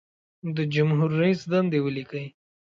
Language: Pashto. د جمهور رئیس دندې ولیکئ.